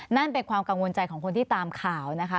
นั่นเป็นความกังวลใจของคนที่ตามข่าวนะคะ